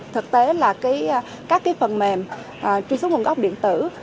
thực tế là các cái phần mềm truy xuất nguồn gốc điện tử